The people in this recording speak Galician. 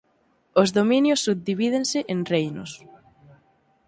Os dominios subdivídense en reinos.